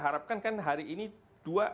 harapkan kan hari ini dua